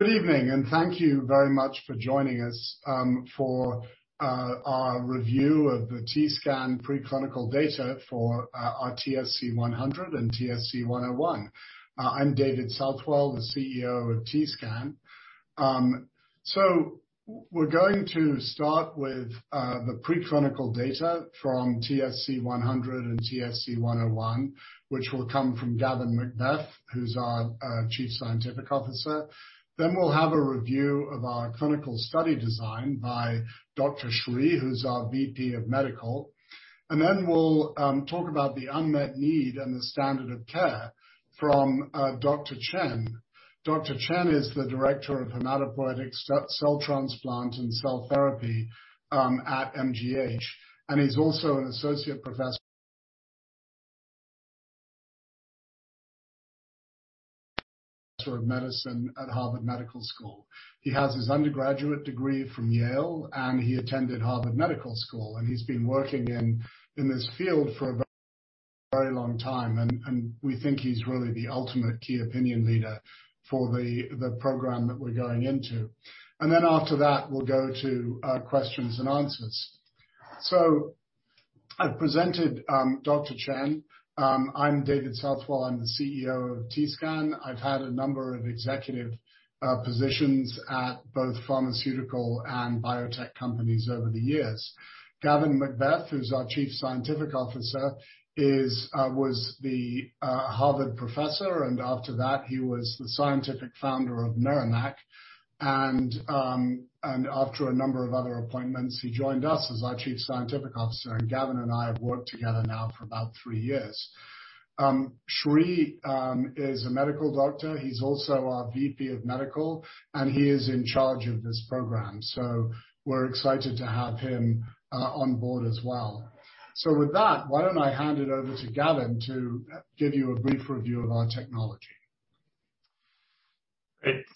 Good evening, and thank you very much for joining us for our review of the TScan preclinical data for our TSC-100 and TSC-101. I'm David Southwell, the CEO of TScan. We're going to start with the preclinical data from TSC-100 and TSC-101, which will come from Gavin MacBeath, who's our Chief Scientific Officer. Then we'll have a review of our clinical study design by Dr. Sri, who's our VP of Medical. We'll talk about the unmet need and the standard of care from Dr. Chen. Dr. Chen is the director of hematopoietic stem-cell transplant and cell therapy at MGH, and he's also an associate professor of medicine at Harvard Medical School. He has his undergraduate degree from Yale, and he attended Harvard Medical School, and he's been working in this field for a very long time. We think he's really the ultimate key opinion leader for the program that we're going into. After that, we'll go to questions-and-answers. I've presented Dr. Chen. I'm David Southwell. I'm the CEO of TScan. I've had a number of executive positions at both pharmaceutical and biotech companies over the years. Gavin MacBeath, who's our Chief Scientific Officer, was the Harvard professor, and after that, he was the scientific founder of Mirna Therapeutics. After a number of other appointments, he joined us as our Chief Scientific Officer. Gavin and I have worked together now for about three years. Sri is a medical doctor. He's also our VP of Medical, and he is in charge of this program, so we're excited to have him on board as well. With that, why don't I hand it over to Gavin to give you a brief review of our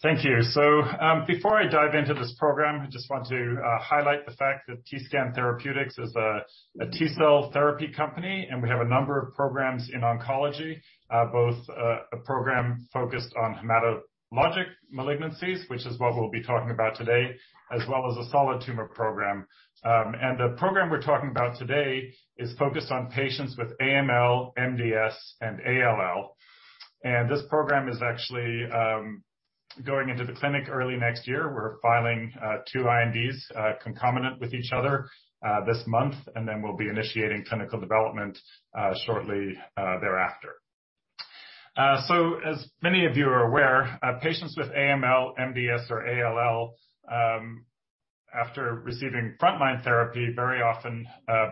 technology. Great. Thank you. Before I dive into this program, I just want to highlight the fact that TScan Therapeutics is a T cell therapy company, and we have a number of programs in oncology, both a program focused on hematologic malignancies, which is what we'll be talking about today, as well as a solid tumor program. The program we're talking about today is focused on patients with AML, MDS, and ALL. This program is actually going into the clinic early next year. We're filing two INDs concomitant with each other this month, and then we'll be initiating clinical development shortly thereafter. As many of you are aware, patients with AML, MDS, or ALL after receiving frontline therapy, very often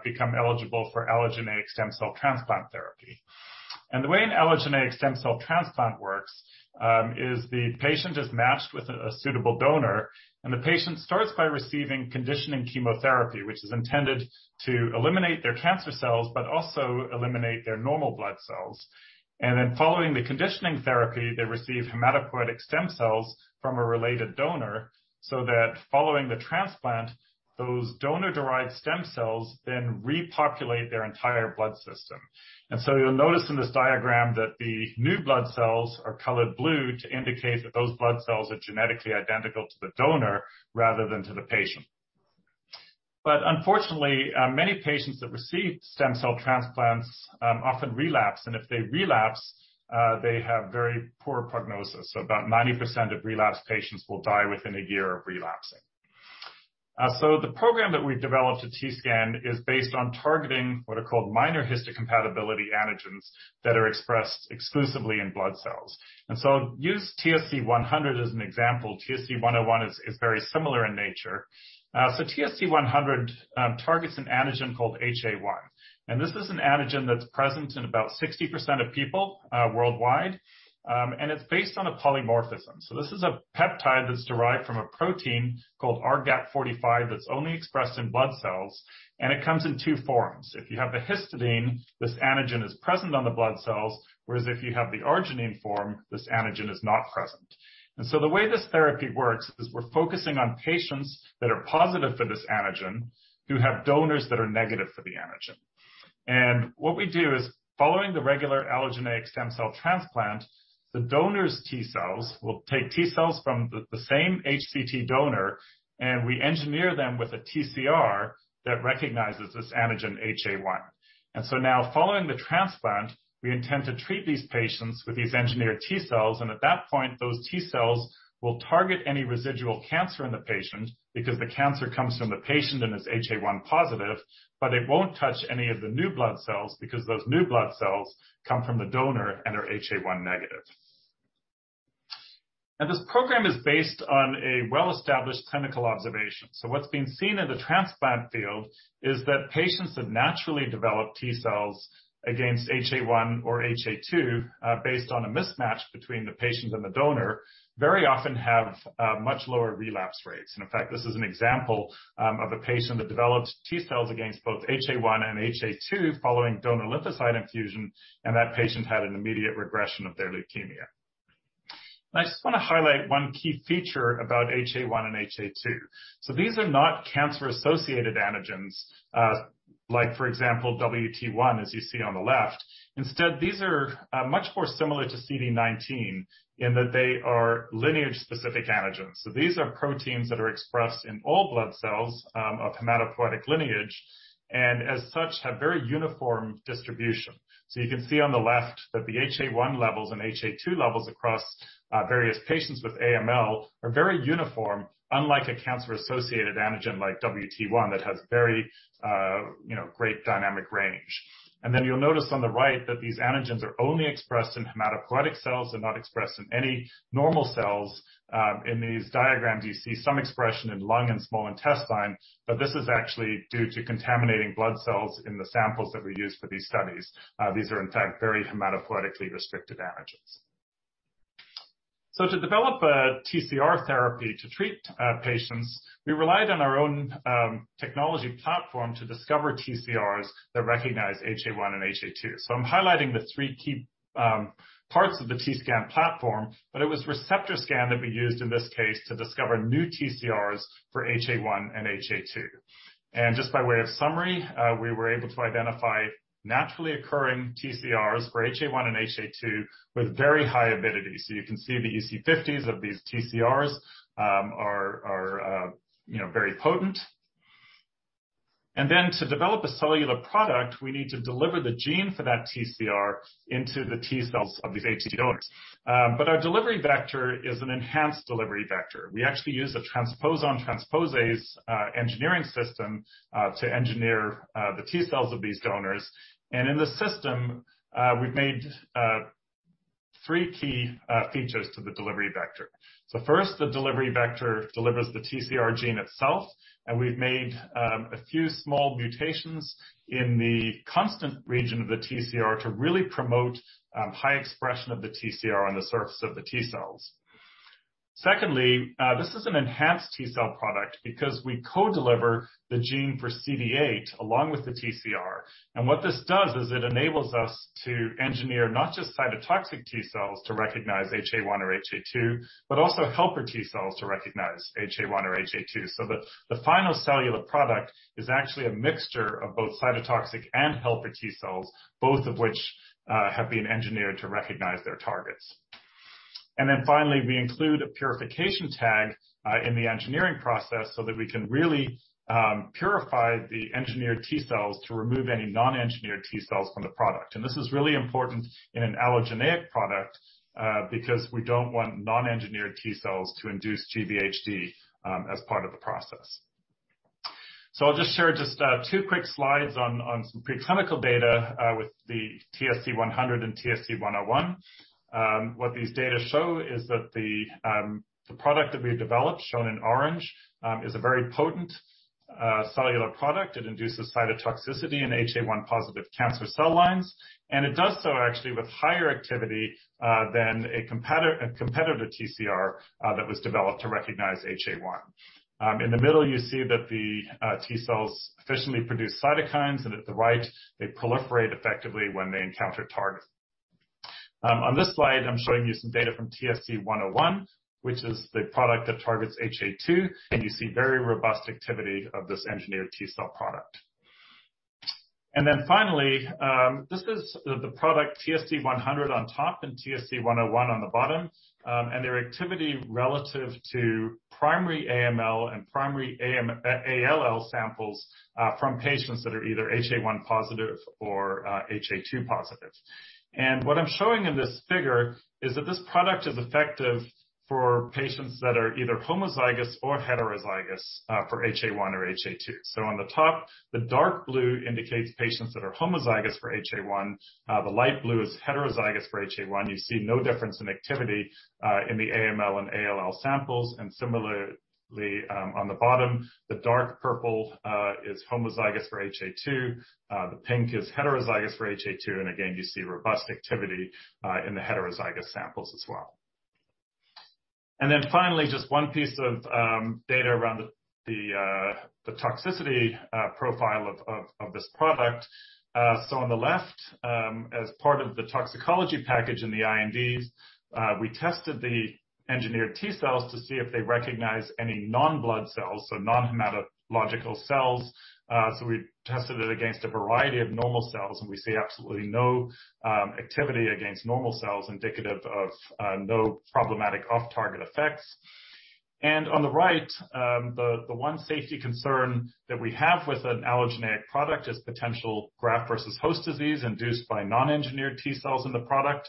become eligible for allogeneic stem cell transplant therapy. The way an allogeneic stem cell transplant works is the patient is matched with a suitable donor, and the patient starts by receiving conditioning chemotherapy, which is intended to eliminate their cancer cells, but also eliminate their normal blood cells. Then following the conditioning therapy, they receive hematopoietic stem cells from a related donor so that following the transplant, those donor-derived stem cells then repopulate their entire blood system. You'll notice in this diagram that the new blood cells are colored blue to indicate that those blood cells are genetically identical to the donor rather than to the patient. Unfortunately, many patients that receive stem cell transplants often relapse, and if they relapse, they have very poor prognosis. About 90% of relapse patients will die within a year of relapsing. The program that we've developed at TScan is based on targeting what are called minor histocompatibility antigens that are expressed exclusively in blood cells. Use TSC-100 as an example. TSC-101 is very similar in nature. TSC-100 targets an antigen called HA-1. This is an antigen that's present in about 60% of people worldwide. It's based on a polymorphism. This is a peptide that's derived from a protein called ARHGAP45 that's only expressed in blood cells, and it comes in two forms. If you have the histidine, this antigen is present on the blood cells, whereas if you have the arginine form, this antigen is not present. The way this therapy works is we're focusing on patients that are positive for this antigen who have donors that are negative for the antigen. What we do is, following the regular allogeneic stem cell transplant, we take T-cells from the same HCT donor, and we engineer them with a TCR that recognizes this antigen, HA-1. Now, following the transplant, we intend to treat these patients with these engineered T-cells, and at that point, those T-cells will target any residual cancer in the patient because the cancer comes from the patient and is HA1 positive, but it won't touch any of the new blood cells because those new blood cells come from the donor and are HA-1 Negative. This program is based on a well-established clinical observation. What's been seen in the transplant field is that patients that naturally develop T-cells against HA-1 or HA-2, based on a mismatch between the patient and the donor, very often have much lower relapse rates. In fact, this is an example of a patient that developed T-cells against both HA-1 and HA-2 following donor lymphocyte infusion, and that patient had an immediate regression of their leukemia. I just wanna highlight one key feature about HA-1 and HA-2. These are not cancer-associated antigens, like, for example, WT1, as you see on the left. Instead, these are much more similar to CD19 in that they are lineage-specific antigens. These are proteins that are expressed in all blood cells of hematopoietic lineage, and as such, have very uniform distribution. You can see on the left that the HA-1 levels and HA-2 levels across various patients with AML are very uniform, unlike a cancer-associated antigen like WT1 that has very, you know, great dynamic range. You'll notice on the right that these antigens are only expressed in hematopoietic cells and not expressed in any normal cells. In these diagrams, you see some expression in lung and small intestine, but this is actually due to contaminating blood cells in the samples that we use for these studies. These are in fact very hematopoietically restricted antigens. To develop a TCR therapy to treat patients, we relied on our own technology platform to discover TCRs that recognize HA-1 and HA-2. I'm highlighting the three key parts of the TScan platform, but it was ReceptorScan that we used in this case to discover new TCRs for HA-1 and HA-2. Just by way of summary, we were able to identify naturally occurring TCRs for HA-1 and HA-2 with very high avidity. You can see the EC50s of these TCRs are, you know, very potent. Then to develop a cellular product, we need to deliver the gene for that TCR into the T-cells of these HA-2 donors. But our delivery vector is an enhanced delivery vector. We actually use a transposon transposase engineering system to engineer the T-cells of these donors. In this system, we've made three key features to the delivery vector. First, the delivery vector delivers the TCR gene itself, and we've made a few small mutations in the constant region of the TCR to really promote high expression of the TCR on the surface of the T cells. Secondly, this is an enhanced T cell product because we co-deliver the gene for CD8 along with the TCR. What this does is it enables us to engineer not just cytotoxic T cells to recognize HA-1 or HA-2, but also helper T cells to recognize HA-1 or HA-2. The final cellular product is actually a mixture of both cytotoxic and helper T cells, both of which have been engineered to recognize their targets. Finally, we include a purification tag in the engineering process so that we can really purify the engineered T cells to remove any non-engineered T cells from the product. This is really important in an allogeneic product because we don't want non-engineered T cells to induce GVHD as part of the process. I'll just share two quick slides on some preclinical data with the TSC-100 and TSC-101. What these data show is that the product that we developed, shown in orange, is a very potent cellular product. It induces cytotoxicity in HA-1-positive cancer cell lines. It does so actually with higher activity than a competitor TCR that was developed to recognize HA-1. In the middle, you see that the T cells efficiently produce cytokines, and at the right, they proliferate effectively when they encounter target. On this slide, I'm showing you some data from TSC-101, which is the product that targets HA-2, and you see very robust activity of this engineered T cell product. Finally, this is the product TSC-100 on top and TSC-101 on the bottom, and their activity relative to primary AML and primary ALL samples from patients that are either HA-1 positive or HA-2 positive. What I'm showing in this figure is that this product is effective for patients that are either homozygous or heterozygous for HA-1 or HA-2. On the top, the dark blue indicates patients that are homozygous for HA-1. The light blue is heterozygous for HA-1. You see no difference in activity in the AML and ALL samples. Similarly, on the bottom, the dark purple is homozygous for HA-2. The pink is heterozygous for HA-2, and again, you see robust activity in the heterozygous samples as well. Then finally, just one piece of data around the toxicity profile of this product. On the left, as part of the toxicology package in the INDs, we tested the engineered T cells to see if they recognize any non-blood cells, so non-hematological cells. We tested it against a variety of normal cells, and we see absolutely no activity against normal cells indicative of no problematic off-target effects. On the right, the one safety concern that we have with an allogeneic product is potential graft-versus-host disease induced by non-engineered T cells in the product.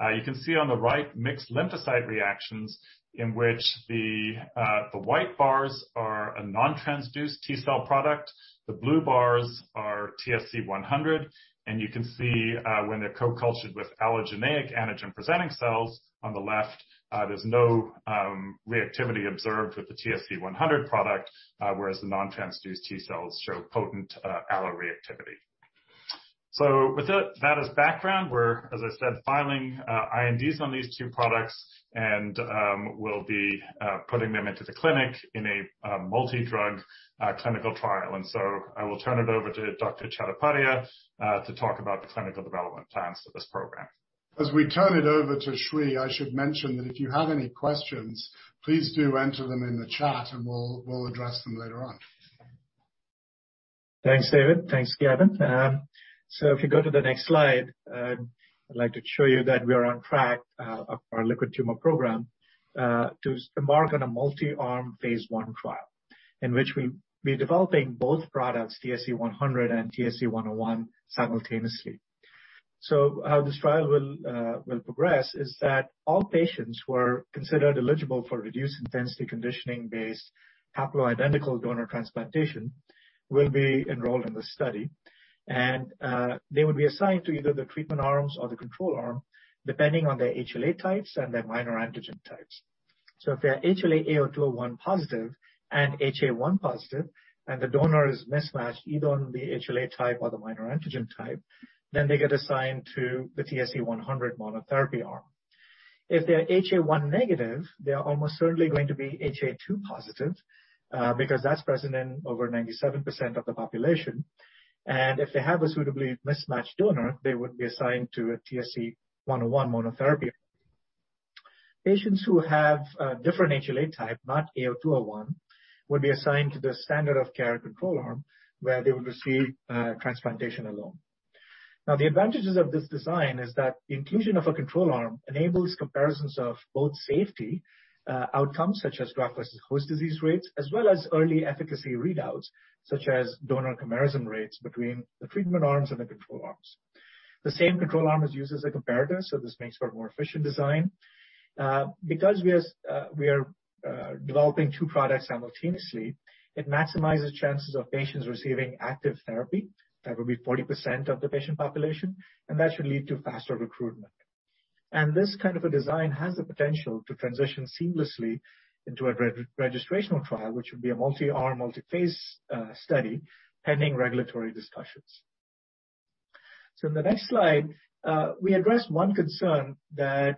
You can see on the right mixed lymphocyte reactions in which the white bars are a non-transduced T cell product. The blue bars are TSC-100, and you can see when they're co-cultured with allogeneic antigen-presenting cells on the left, there's no reactivity observed with the TSC-100 product, whereas the non-transduced T cells show potent alloreactivity. With that as background, we're, as I said, filing INDs on these two products and we'll be putting them into the clinic in a multi-drug clinical trial. I will turn it over to Dr. Chattopadhyay to talk about the clinical development plans for this program. As we turn it over to Sri, I should mention that if you have any questions, please do enter them in the chat and we'll address them later on. Thanks, David. Thanks, Gavin. If you go to the next slide, I'd like to show you that we are on track of our liquid tumor program to embark on a multi-arm phase I trial, in which we'll be developing both products, TSC-100 and TSC-101 simultaneously. How this trial will progress is that all patients who are considered eligible for reduced intensity conditioning-based haploidentical donor transplantation will be enrolled in the study. They will be assigned to either the treatment arms or the control arm, depending on their HLA types and their minor antigen types. If they are HLA-A*02:01 positive and HA-1 positive, and the donor is mismatched either on the HLA type or the minor antigen type, then they get assigned to the TSC-100 monotherapy arm. If they are HA-1 negative, they are almost certainly going to be HA-2 positive, because that's present in over 97% of the population. If they have a suitably mismatched donor, they would be assigned to a TSC-101 monotherapy. Patients who have different HLA type, not A*02:01, would be assigned to the standard of care control arm, where they would receive transplantation alone. Now, the advantages of this design is that the inclusion of a control arm enables comparisons of both safety outcomes such as graft-versus-host disease rates, as well as early efficacy readouts such as donor chimerism rates between the treatment arms and the control arms. The same control arm is used as a comparator, so this makes for a more efficient design. Because we are developing two products simultaneously, it maximizes chances of patients receiving active therapy. That would be 40% of the patient population, and that should lead to faster recruitment. This kind of a design has the potential to transition seamlessly into a registrational trial, which would be a multi-arm, multi-phase study, pending regulatory discussions. In the next slide, we address one concern that's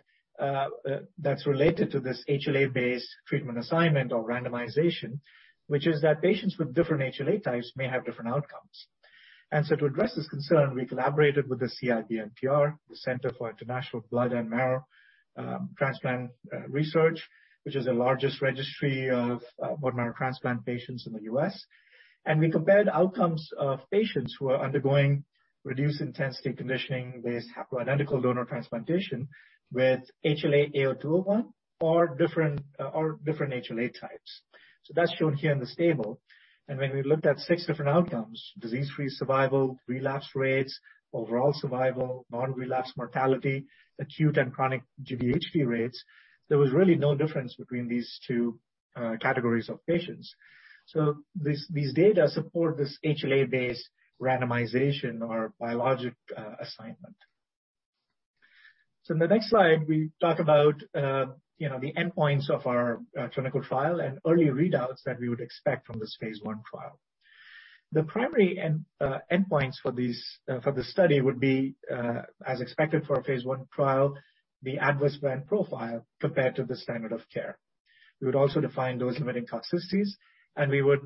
related to this HLA-based treatment assignment or randomization, which is that patients with different HLA types may have different outcomes. To address this concern, we collaborated with the CIBMTR, the Center for International Blood and Marrow Transplant Research, which is the largest registry of bone marrow transplant patients in the U.S. We compared outcomes of patients who are undergoing reduced intensity conditioning-based haploidentical donor transplantation with HLA-A*02:01 or different HLA types. That's shown here in this table. When we looked at six different outcomes, disease-free survival, relapse rates, overall survival, non-relapse mortality, acute and chronic GVHD rates, there was really no difference between these two categories of patients. These data support this HLA-based randomization or biologic assignment. In the next slide, we talk about, you know, the endpoints of our clinical trial and early readouts that we would expect from this phase I trial. The primary endpoints for this study would be, as expected for a phase I trial, the adverse event profile compared to the standard of care. We would also define dose-limiting toxicities, and we would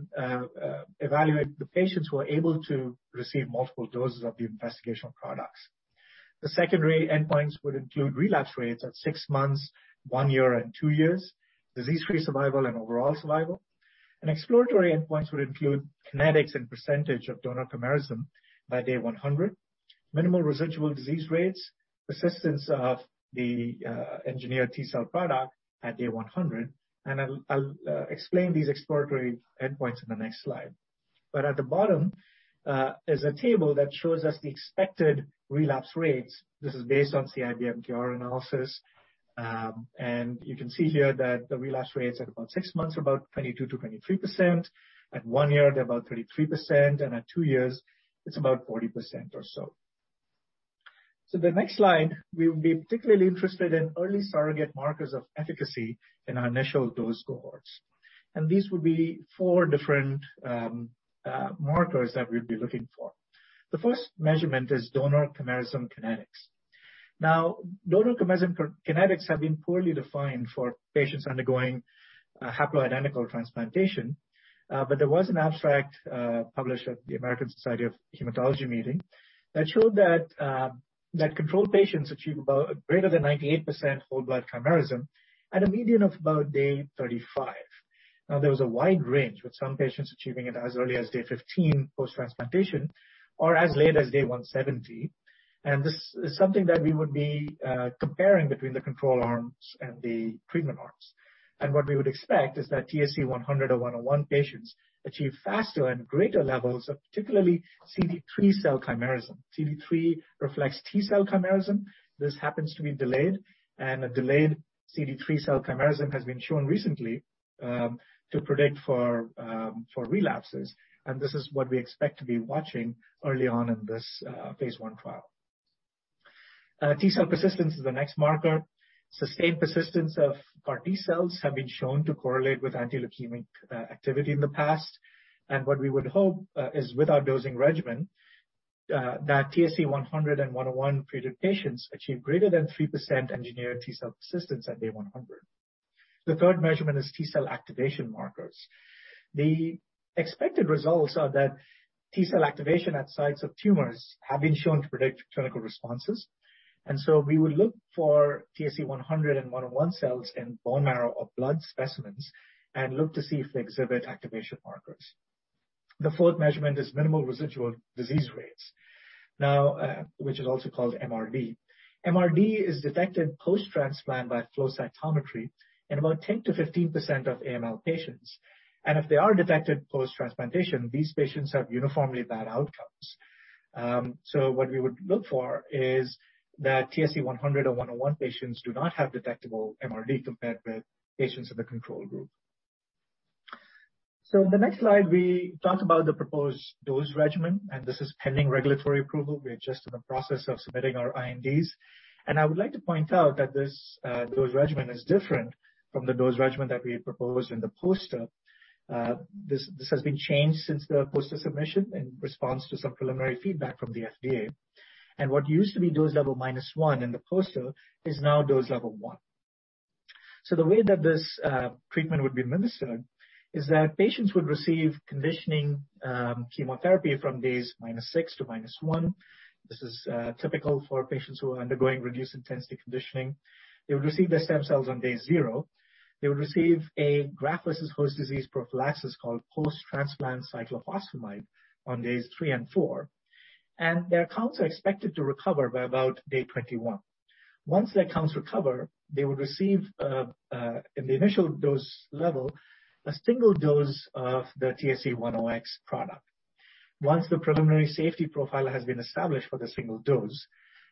evaluate the patients who are able to receive multiple doses of the investigational products. The secondary endpoints would include relapse rates at six months, one year, and two years, disease-free survival, and overall survival. Exploratory endpoints would include kinetics and percentage of donor chimerism by day 100, minimal residual disease rates, persistence of the engineered T cell product at day 100, and I'll explain these exploratory endpoints in the next slide. At the bottom is a table that shows us the expected relapse rates. This is based on CIBMTR analysis. You can see here that the relapse rates at about six months are about 22%-23%. At one year, they're about 33%. At two years, it's about 40% or so. The next slide, we'll be particularly interested in early surrogate markers of efficacy in our initial dose cohorts. These would be four different markers that we'd be looking for. The first measurement is donor chimerism kinetics. Donor chimerism kinetics have been poorly defined for patients undergoing a haploidentical transplantation, but there was an abstract published at the American Society of Hematology meeting that showed that control patients achieve about greater than 98% whole blood chimerism at a median of about day 35. There was a wide range, with some patients achieving it as early as day 15 post-transplantation or as late as day 170. This is something that we would be comparing between the control arms and the treatment arms. What we would expect is that TSC-100 or TSC-101 patients achieve faster and greater levels of particularly CD3 cell chimerism. CD3 reflects T cell chimerism. This happens to be delayed, and a delayed CD3 cell chimerism has been shown recently to predict for relapses. This is what we expect to be watching early on in this phase I trial. T cell persistence is the next marker. Sustained persistence of our T cells have been shown to correlate with anti-leukemic activity in the past. What we would hope is with our dosing regimen that TSC-100 and TSC-101 treated patients achieve greater than 3% engineered T cell persistence at day 100. The third measurement is T cell activation markers. The expected results are that T cell activation at sites of tumors have been shown to predict clinical responses. We would look for TSC-101 cells in bone marrow or blood specimens and look to see if they exhibit activation markers. The fourth measurement is minimal residual disease rates, which is also called MRD. MRD is detected post-transplant by flow cytometry in about 10%-15% of AML patients. If they are detected post-transplantation, these patients have uniformly bad outcomes. What we would look for is that TSC-100 or TSC-101 patients do not have detectable MRD compared with patients in the control group. In the next slide we talk about the proposed dose regimen, and this is pending regulatory approval. We're just in the process of submitting our INDs. I would like to point out that this dose regimen is different from the dose regimen that we proposed in the poster. This has been changed since the poster submission in response to some preliminary feedback from the FDA. What used to be dose level minus one in the poster is now dose level one. The way that this treatment would be administered is that patients would receive conditioning chemotherapy from days -6 to -1. This is typical for patients who are undergoing reduced-intensity conditioning. They would receive their stem cells on day zero. They would receive a graft-versus-host disease prophylaxis called post-transplant cyclophosphamide on days three and four, and their counts are expected to recover by about day 21. Once their counts recover, they would receive in the initial dose level a single dose of the TSC-10X product. Once the preliminary safety profile has been established for the single dose,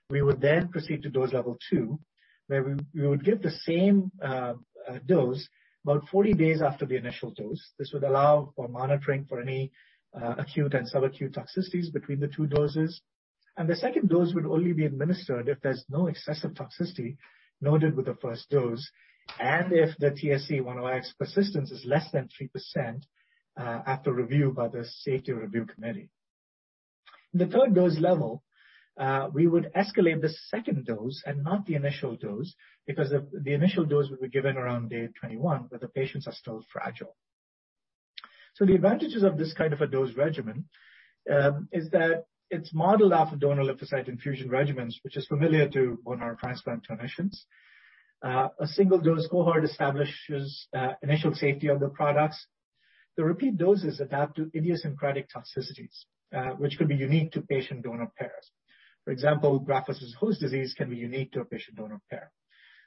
we would then proceed to dose level two, where we would give the same dose about 40 days after the initial dose. This would allow for monitoring for any acute and sub-acute toxicities between the two doses. The second dose would only be administered if there's no excessive toxicity noted with the first dose and if the TSC-10X persistence is less than 3%, after review by the safety review committee. The third dose level, we would escalate the second dose and not the initial dose, because the initial dose would be given around day 21, where the patients are still fragile. The advantages of this kind of a dose regimen is that it's modeled off of donor lymphocyte infusion regimens, which is familiar to bone marrow transplant clinicians. A single-dose cohort establishes initial safety of the products. The repeat doses adapt to idiosyncratic toxicities, which could be unique to patient-donor pairs. For example, graft-versus-host disease can be unique to a patient-donor pair.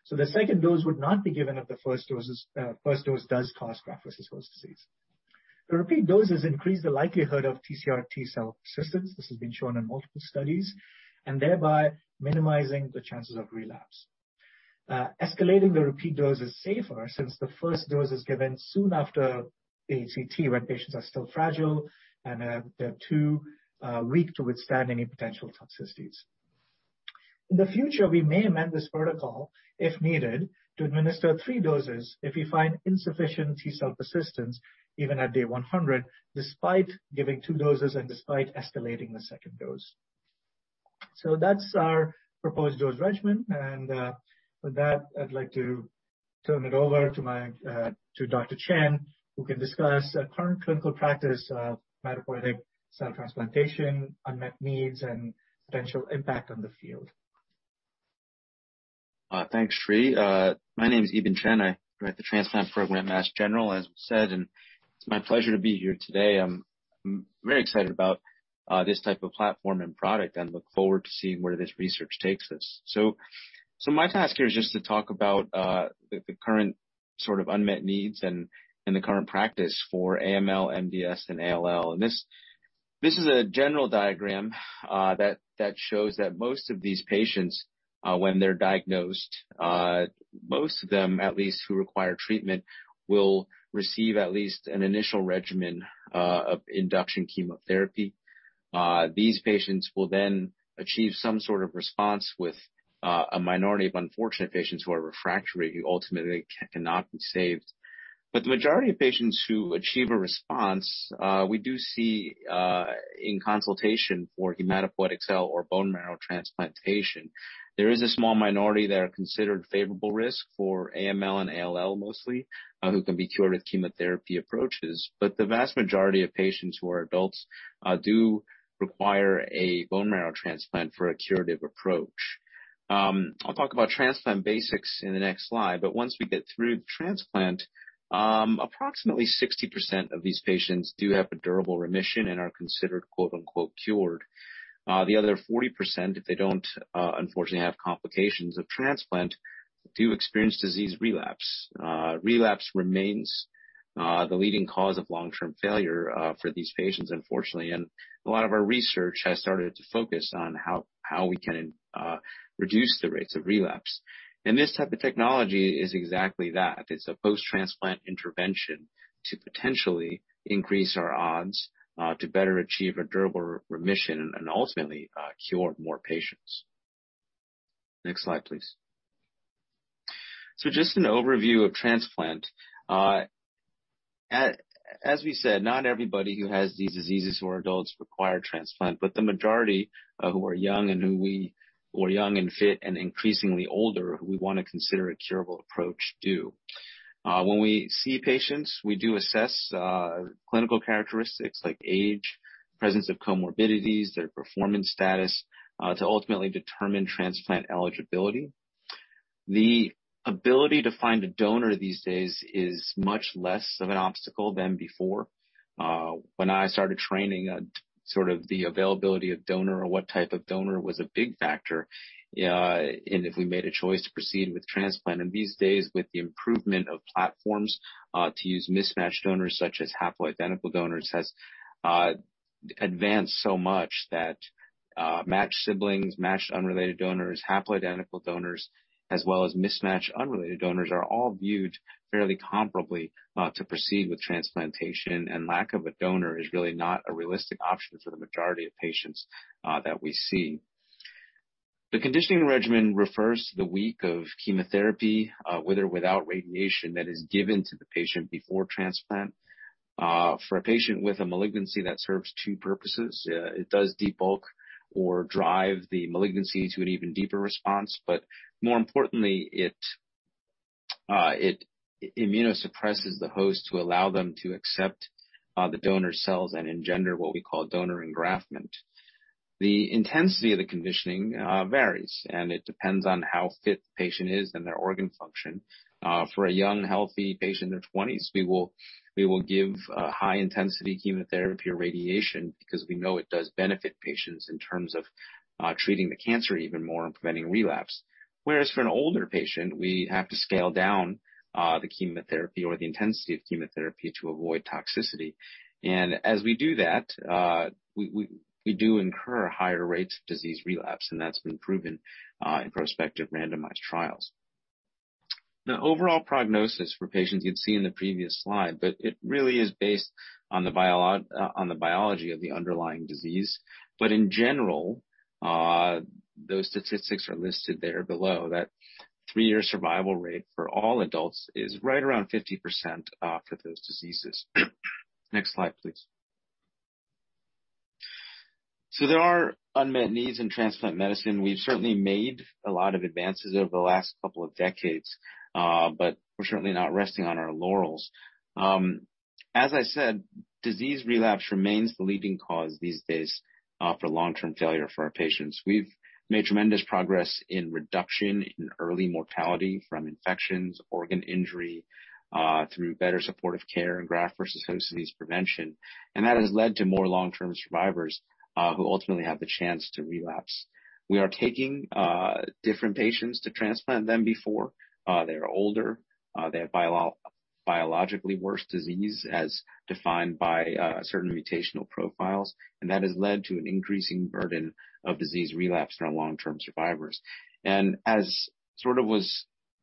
The second dose would not be given if the first dose does cause graft-versus-host disease. The repeat doses increase the likelihood of TCR T cell persistence, this has been shown in multiple studies, and thereby minimizing the chances of relapse. Escalating the repeat dose is safer since the first dose is given soon after HCT, when patients are still fragile and they're too weak to withstand any potential toxicities. In the future, we may amend this protocol, if needed, to administer three doses if we find insufficient T cell persistence, even at day 100, despite giving two doses and despite escalating the second dose. That's our proposed dose regimen. With that, I'd like to turn it over to Dr. Chen, who can discuss current clinical practice of hematopoietic cell transplantation, unmet needs, and potential impact on the field. Thanks, Sri. My name is Yi-Bin Chen. I run the transplant program at Mass General, as you said, and it's my pleasure to be here today. I'm very excited about this type of platform and product and look forward to seeing where this research takes us. My task here is just to talk about the current sort of unmet needs and the current practice for AML, MDS, and ALL. This is a general diagram that shows that most of these patients, when they're diagnosed, most of them at least who require treatment, will receive at least an initial regimen of induction chemotherapy. These patients will then achieve some sort of response with a minority of unfortunate patients who are refractory who ultimately cannot be saved. The majority of patients who achieve a response, we do see, in consultation for hematopoietic cell or bone marrow transplantation, there is a small minority that are considered favorable risk for AML and ALL mostly, who can be cured with chemotherapy approaches. The vast majority of patients who are adults, do require a bone marrow transplant for a curative approach. I'll talk about transplant basics in the next slide, but once we get through transplant, approximately 60% of these patients do have a durable remission and are considered "cured." The other 40%, if they don't, unfortunately, have complications of transplant, do experience disease relapse. Relapse remains, the leading cause of long-term failure, for these patients, unfortunately. A lot of our research has started to focus on how we can reduce the rates of relapse. This type of technology is exactly that. It's a post-transplant intervention to potentially increase our odds to better achieve a durable remission and ultimately cure more patients. Next slide, please. Just an overview of transplant. As we said, not everybody who has these diseases who are adults require transplant, but the majority of who are young and fit and increasingly older, who we wanna consider a curable approach do. When we see patients, we do assess clinical characteristics like age, presence of comorbidities, their performance status to ultimately determine transplant eligibility. The ability to find a donor these days is much less of an obstacle than before. When I started training, sort of the availability of donor or what type of donor was a big factor, in if we made a choice to proceed with transplant. These days, with the improvement of platforms, to use mismatched donors such as haploidentical donors, has, advanced so much that, matched siblings, matched unrelated donors, haploidentical donors, as well as mismatched unrelated donors are all viewed fairly comparably, to proceed with transplantation. Lack of a donor is really not a realistic option for the majority of patients, that we see. The conditioning regimen refers to the week of chemotherapy, with or without radiation that is given to the patient before transplant. For a patient with a malignancy, that serves two purposes. It does debulk or drive the malignancy to an even deeper response, but more importantly, it immunosuppresses the host to allow them to accept the donor cells and engender what we call donor engraftment. The intensity of the conditioning varies, and it depends on how fit the patient is and their organ function. For a young, healthy patient in their 20s, we will give high intensity chemotherapy or radiation because we know it does benefit patients in terms of treating the cancer even more and preventing relapse. Whereas for an older patient, we have to scale down the chemotherapy or the intensity of chemotherapy to avoid toxicity. As we do that, we do incur higher rates of disease relapse, and that's been proven in prospective randomized trials. The overall prognosis for patients you'd see in the previous slide, but it really is based on the biology of the underlying disease. In general, those statistics are listed there below. That three-year survival rate for all adults is right around 50%, for those diseases. Next slide, please. There are unmet needs in transplant medicine. We've certainly made a lot of advances over the last couple of decades, but we're certainly not resting on our laurels. As I said, disease relapse remains the leading cause these days, for long-term failure for our patients. We've made tremendous progress in reduction in early mortality from infections, organ injury, through better supportive care and graft-versus-host disease prevention, and that has led to more long-term survivors, who ultimately have the chance to relapse. We are taking different patients to transplant than before. They're older. They have biologically worse disease as defined by certain mutational profiles. That has led to an increasing burden of disease relapse in our long-term survivors. As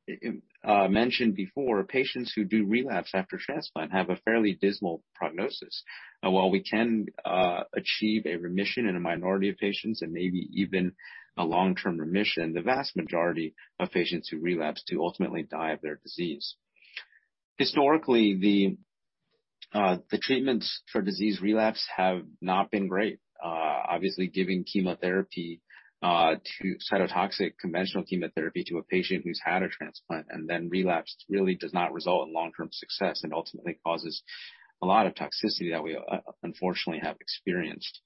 sort of was mentioned before, patients who do relapse after transplant have a fairly dismal prognosis. While we can achieve a remission in a minority of patients and maybe even a long-term remission, the vast majority of patients who relapse do ultimately die of their disease. Historically, the treatments for disease relapse have not been great. Obviously giving cytotoxic conventional chemotherapy to a patient who's had a transplant and then relapsed really does not result in long-term success and ultimately causes a lot of toxicity that we unfortunately have experienced.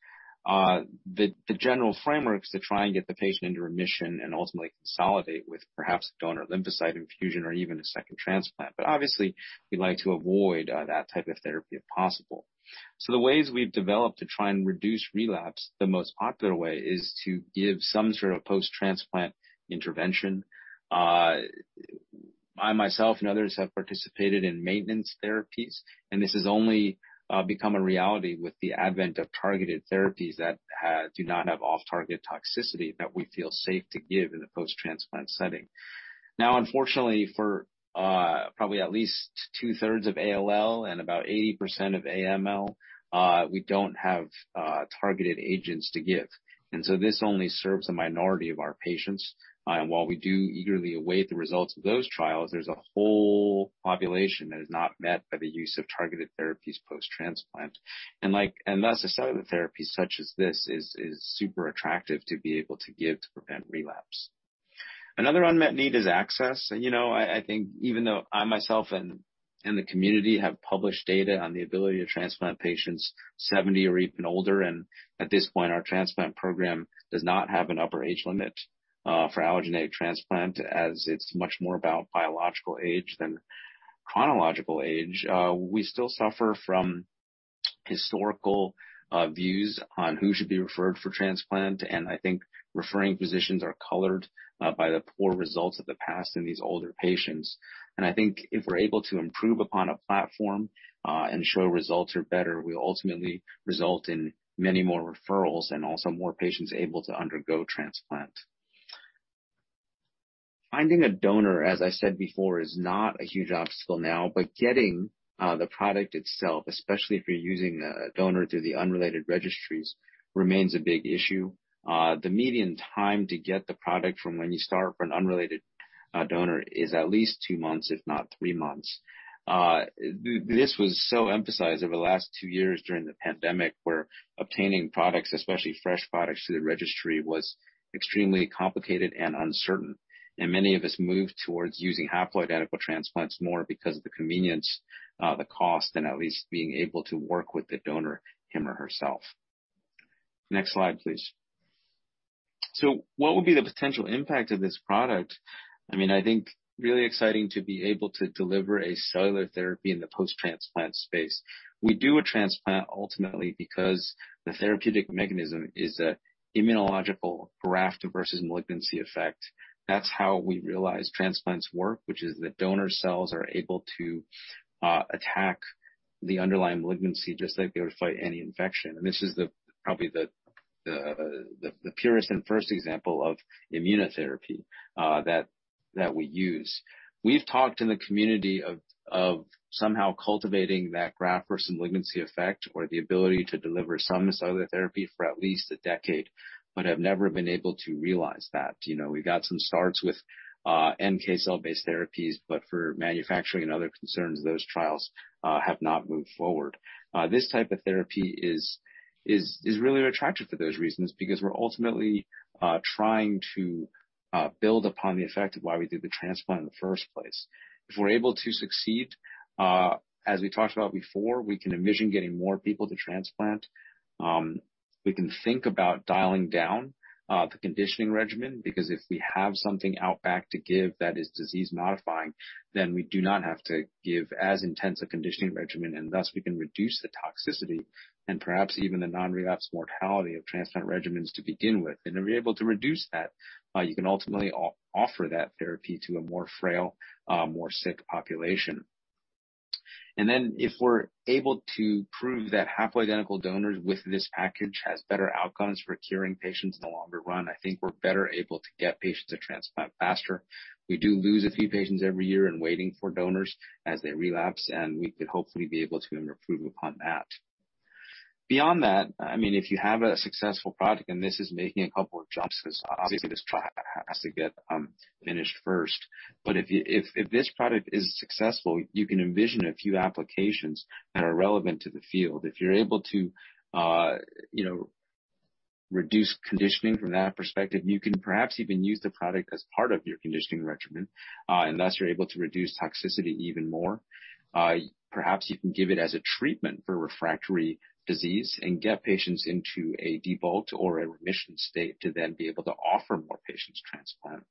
The general framework is to try and get the patient into remission and ultimately consolidate with perhaps donor lymphocyte infusion or even a second transplant. Obviously, we'd like to avoid that type of therapy if possible. The ways we've developed to try and reduce relapse, the most popular way is to give some sort of post-transplant intervention. I myself and others have participated in maintenance therapies, and this has only become a reality with the advent of targeted therapies that do not have off-target toxicity that we feel safe to give in a post-transplant setting. Now, unfortunately for probably at least two-thirds of ALL and about 80% of AML, we don't have targeted agents to give. This only serves a minority of our patients. While we do eagerly await the results of those trials, there's a whole population that is not met by the use of targeted therapies post-transplant. Thus, a cellular therapy such as this is super attractive to be able to give to prevent relapse. Another unmet need is access. You know, I think even though I myself and the community have published data on the ability to transplant patients 70 or even older, and at this point, our transplant program does not have an upper age limit for allogeneic transplant, as it's much more about biological age than chronological age. We still suffer from historical views on who should be referred for transplant, and I think referring physicians are colored by the poor results of the past in these older patients. I think if we're able to improve upon a platform, and show results are better, we ultimately result in many more referrals and also more patients able to undergo transplant. Finding a donor, as I said before, is not a huge obstacle now, but getting the product itself, especially if you're using a donor through the unrelated registries, remains a big issue. The median time to get the product from when you start for an unrelated donor is at least two months, if not three months. This was so emphasized over the last two years during the pandemic, where obtaining products, especially fresh products, through the registry was extremely complicated and uncertain. Many of us moved towards using haploidentical transplants more because of the convenience, the cost, and at least being able to work with the donor, him or herself. Next slide, please. What would be the potential impact of this product? I mean, I think really exciting to be able to deliver a cellular therapy in the post-transplant space. We do a transplant ultimately because the therapeutic mechanism is that immunological graft versus malignancy effect. That's how we realize transplants work, which is the donor cells are able to attack the underlying malignancy, just like they would fight any infection. This is probably the purest and first example of immunotherapy that we use. We've talked in the community of somehow cultivating that graft versus malignancy effect or the ability to deliver some cellular therapy for at least a decade, but have never been able to realize that. You know, we got some starts with NK cell-based therapies, but for manufacturing and other concerns, those trials have not moved forward. This type of therapy is really attractive for those reasons because we're ultimately trying to build upon the effect of why we did the transplant in the first place. If we're able to succeed, as we talked about before, we can envision getting more people to transplant. We can think about dialing down the conditioning regimen because if we have something to give that is disease modifying, then we do not have to give as intense a conditioning regimen, and thus we can reduce the toxicity and perhaps even the non-relapse mortality of transplant regimens to begin with. To be able to reduce that, you can ultimately offer that therapy to a more frail, more sick population. If we're able to prove that haploidentical donors with this package has better outcomes for curing patients in the longer run, I think we're better able to get patients a transplant faster. We do lose a few patients every year in waiting for donors as they relapse, and we could hopefully be able to improve upon that. Beyond that, I mean, if you have a successful product, and this is making a couple of jumps because obviously this trial has to get finished first. If this product is successful, you can envision a few applications that are relevant to the field. If you're able to, you know, reduce conditioning from that perspective, you can perhaps even use the product as part of your conditioning regimen, and thus you're able to reduce toxicity even more. Perhaps you can give it as a treatment for refractory disease and get patients into a debulk or a remission state to then be able to offer more patients transplant.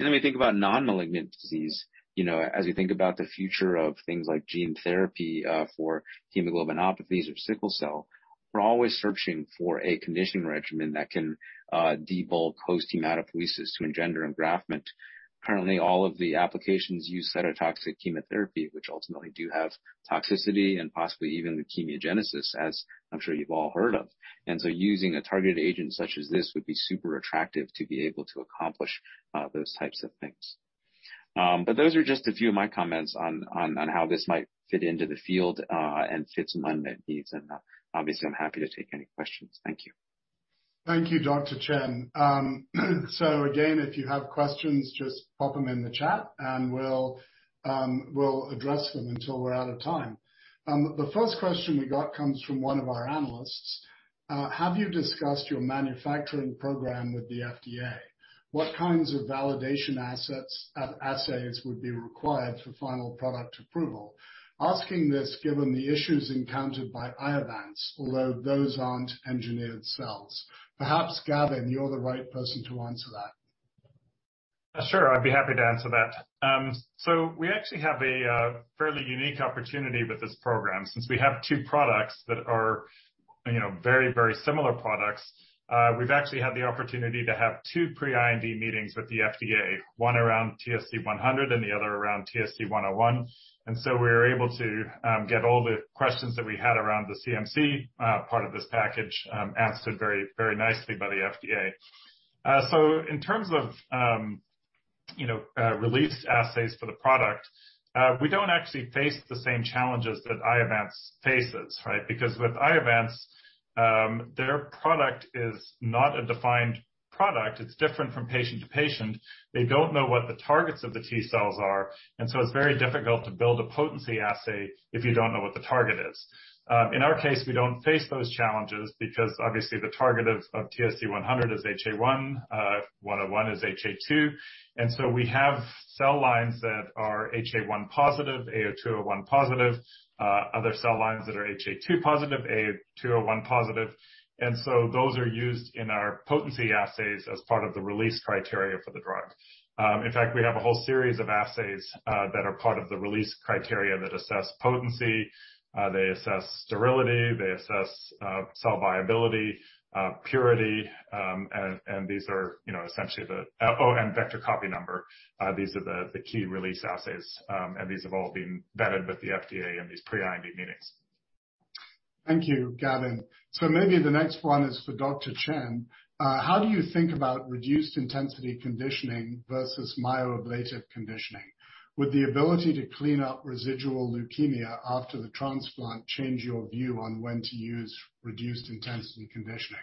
We think about non-malignant disease. You know, as you think about the future of things like gene therapy, for hemoglobinopathies or sickle cell, we're always searching for a conditioning regimen that can, debulk host hematopoiesis to engender engraftment. Currently, all of the applications use cytotoxic chemotherapy, which ultimately do have toxicity and possibly even leukemogenesis, as I'm sure you've all heard of. Using a targeted agent such as this would be super attractive to be able to accomplish those types of things. Those are just a few of my comments on how this might fit into the field and fit some unmet needs. Obviously, I'm happy to take any questions. Thank you. Thank you, Dr. Chen. Again, if you have questions, just pop them in the chat, and we'll address them until we're out of time. The first question we got comes from one of our analysts. Have you discussed your manufacturing program with the FDA? What kinds of validation assets, assays would be required for final product approval? Asking this given the issues encountered by Iovance, although those aren't engineered cells. Perhaps, Gavin, you're the right person to answer that. Sure. I'd be happy to answer that. So we actually have a fairly unique opportunity with this program. Since we have two products that are, you know, very, very similar products, we've actually had the opportunity to have two pre-IND meetings with the FDA, one around TSC-100 and the other around TSC-101. We were able to get all the questions that we had around the CMC part of this package answered very, very nicely by the FDA. In terms of, you know, release assays for the product, we don't actually face the same challenges that Iovance faces, right? Because with Iovance, their product is not a defined product. It's different from patient to patient. They don't know what the targets of the T cells are, and so it's very difficult to build a potency assay if you don't know what the target is. In our case, we don't face those challenges because obviously the target of TSC-100 is HA-1, TSC-101 is HA-2. We have cell lines that are HA-1 positive, A*02:01 positive, other cell lines that are HA-2 positive, A*02:01 positive. Those are used in our potency assays as part of the release criteria for the drug. In fact, we have a whole series of assays that are part of the release criteria that assess potency, they assess sterility, they assess cell viability, purity, and these are, you know, essentially the and vector copy number. These are the key release assays. These have all been vetted with the FDA in these pre-IND meetings. Thank you, Gavin MacBeath. Maybe the next one is for Dr. Chen. How do you think about reduced intensity conditioning versus myeloablative conditioning? Would the ability to clean up residual leukemia after the transplant change your view on when to use reduced intensity conditioning?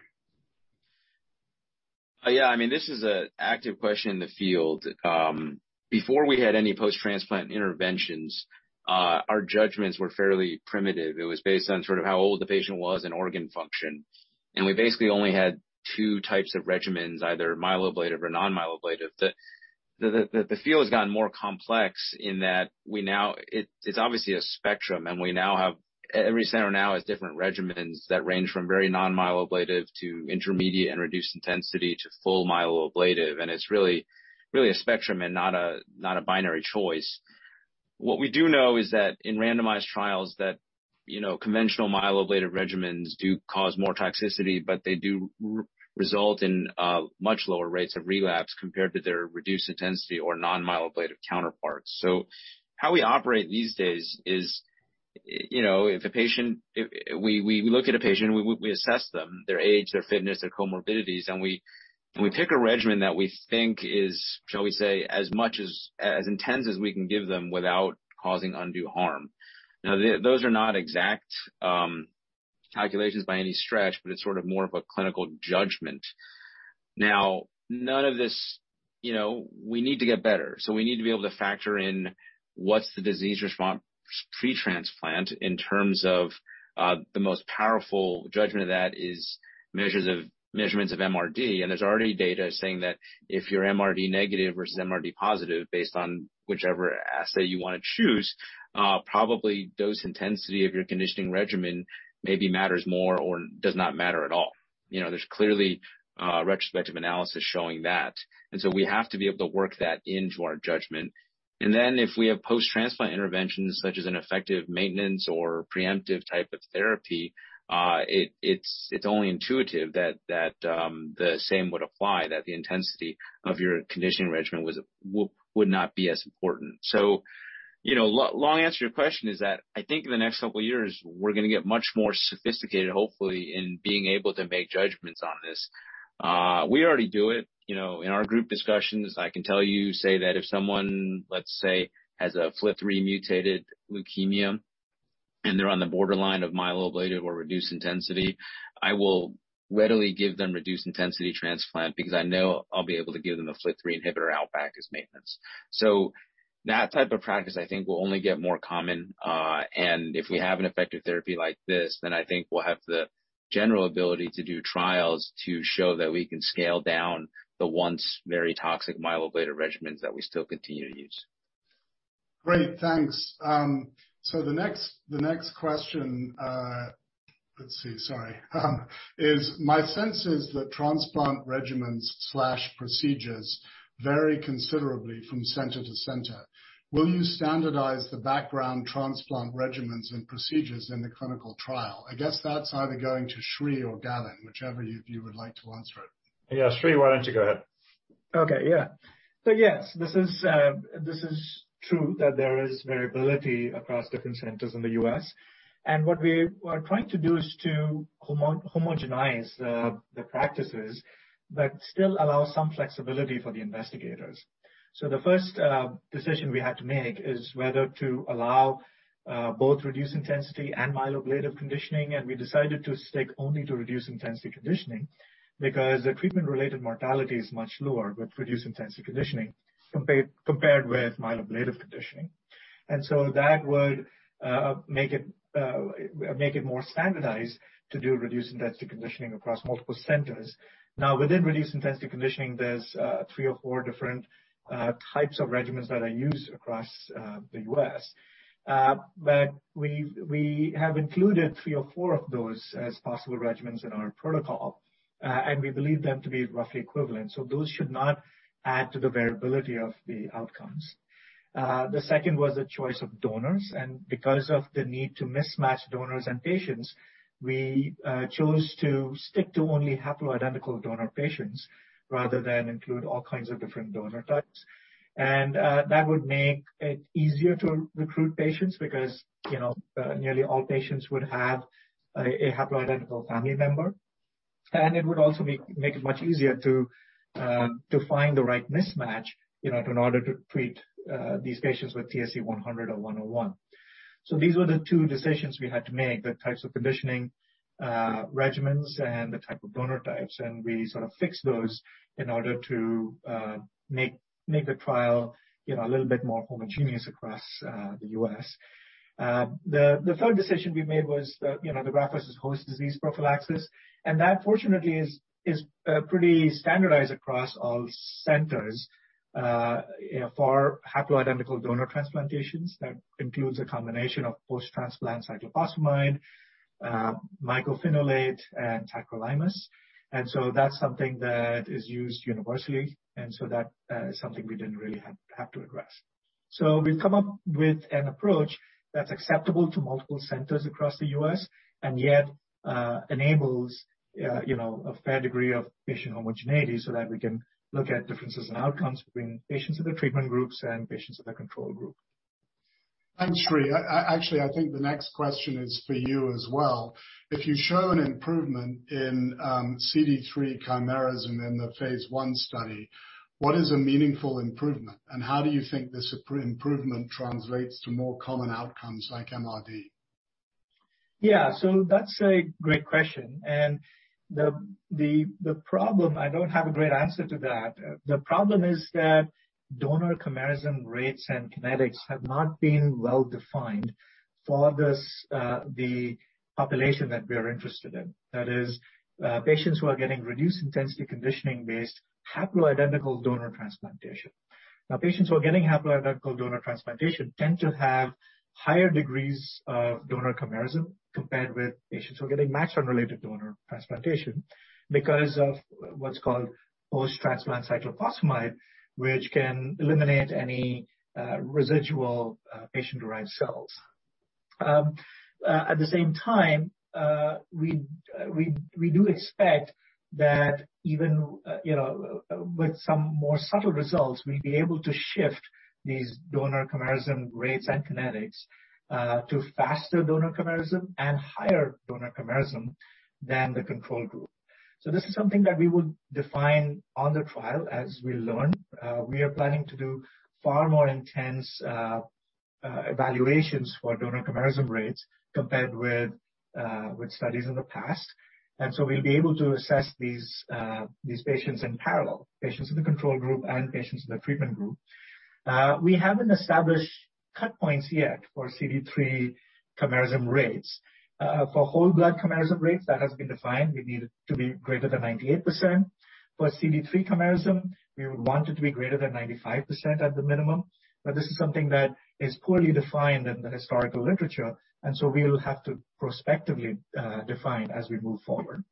Yeah. I mean, this is a active question in the field. Before we had any post-transplant interventions, our judgments were fairly primitive. It was based on sort of how old the patient was and organ function. We basically only had two types of regimens, either myeloablative or non-myeloablative. The field has gotten more complex. It's obviously a spectrum, and we now have every center now has different regimens that range from very non-myeloablative to intermediate and reduced-intensity to full myeloablative, and it's really a spectrum and not a binary choice. What we do know is that in randomized trials, you know, conventional myeloablative regimens do cause more toxicity, but they do result in much lower rates of relapse compared to their reduced-intensity or non-myeloablative counterparts. How we operate these days is, you know, if we look at a patient and we assess them, their age, their fitness, their comorbidities, and we pick a regimen that we think is, shall we say, as much as intense as we can give them without causing undue harm. Those are not exact calculations by any stretch, but it's sort of more of a clinical judgment. None of this, you know, we need to get better. We need to be able to factor in what's the disease response pre-transplant in terms of, the most powerful judgment of that is measurements of MRD. There's already data saying that if you're MRD negative versus MRD positive, based on whichever assay you wanna choose, probably dose intensity of your conditioning regimen maybe matters more or does not matter at all. You know, there's clearly retrospective analysis showing that. We have to be able to work that into our judgment. If we have post-transplant interventions such as an effective maintenance or preemptive type of therapy, it's only intuitive that the same would apply, that the intensity of your conditioning regimen would not be as important. You know, long answer to your question is that I think in the next couple of years, we're gonna get much more sophisticated, hopefully, in being able to make judgments on this. We already do it, you know, in our group discussions. I can tell you that if someone, let's say, has a FLT3-mutated leukemia, and they're on the borderline of myeloablative or reduced-intensity, I will readily give them reduced-intensity transplant because I know I'll be able to give them a FLT3 inhibitor upfront as maintenance. That type of practice I think will only get more common, and if we have an effective therapy like this, then I think we'll have the general ability to do trials to show that we can scale down the once very toxic myeloablative regimens that we still continue to use. Great. Thanks. The next question. My sense is that transplant regimens slash procedures vary considerably from center to center. Will you standardize the background transplant regimens and procedures in the clinical trial? I guess that's either going to Sri or Gavin, whichever of you would like to answer it. Yeah. Sri, why don't you go ahead? Okay. Yeah. Yes, this is true that there is variability across different centers in the U.S. What we are trying to do is to homogenize the practices but still allow some flexibility for the investigators. The first decision we had to make is whether to allow both reduced intensity and myeloablative conditioning, and we decided to stick only to reduced intensity conditioning because the treatment-related mortality is much lower with reduced intensity conditioning compared with myeloablative conditioning. That would make it more standardized to do reduced intensity conditioning across multiple centers. Now, within reduced intensity conditioning, there are three or four different types of regimens that are used across the U.S. We have included three or four of those as possible regimens in our protocol, and we believe them to be roughly equivalent. Those should not add to the variability of the outcomes. The second was the choice of donors. Because of the need to mismatch donors and patients, we chose to stick to only haploidentical donor patients rather than include all kinds of different donor types. That would make it easier to recruit patients because, you know, nearly all patients would have a haploidentical family member. It would also make it much easier to find the right mismatch, you know, in order to treat these patients with TSC-100 or TSC-101. These were the two decisions we had to make, the types of conditioning regimens and the type of donor types. We sort of fixed those in order to make the trial, you know, a little bit more homogeneous across the U.S. The third decision we made was, you know, the graft-versus-host disease prophylaxis, and that fortunately is pretty standardized across all centers, you know, for haploidentical donor transplantations. That includes a combination of post-transplant cyclophosphamide, mycophenolate, and tacrolimus. That's something that is used universally, and so that is something we didn't really have to address. We've come up with an approach that's acceptable to multiple centers across the U.S. and yet enables, you know, a fair degree of patient homogeneity so that we can look at differences in outcomes between patients in the treatment groups and patients in the control group. Thanks, Sri. Actually, I think the next question is for you as well. If you show an improvement in CD3 chimerism in the phase I study, what is a meaningful improvement, and how do you think this improvement translates to more common outcomes like MRD? Yeah. That's a great question. The problem. I don't have a great answer to that. The problem is that donor chimerism rates and kinetics have not been well-defined for this, the population that we are interested in. That is, patients who are getting reduced intensity conditioning-based haploidentical donor transplantation. Now, patients who are getting haploidentical donor transplantation tend to have higher degrees of donor chimerism compared with patients who are getting matched unrelated donor transplantation because of what's called post-transplant cyclophosphamide, which can eliminate any, residual, patient-derived cells. At the same time, we do expect that even, you know, with some more subtle results, we'll be able to shift these donor chimerism rates and kinetics, to faster donor chimerism and higher donor chimerism than the control group. This is something that we would define on the trial as we learn. We are planning to do far more intense evaluations for donor chimerism rates compared with studies in the past. We'll be able to assess these patients in parallel, patients in the control group and patients in the treatment group. We haven't established cut points yet for CD3 chimerism rates. For whole blood chimerism rates, that has been defined. We need it to be greater than 98%. For CD3 chimerism, we would want it to be greater than 95% at the minimum. This is something that is poorly defined in the historical literature, and so we'll have to prospectively define as we move forward.